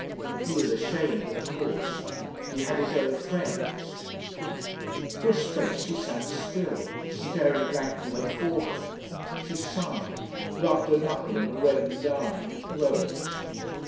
"He was ashamed, of course.... He had his own friends." For a space she sat still, staring blankly before her. She sighed, rubbed a knuckle in a reddened eye, rose.